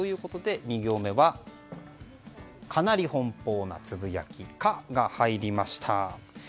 ２行目は、かなり奔放なつぶやき「カ」が入りました。